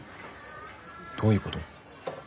どういうこと？